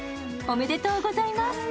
おめでとうございます。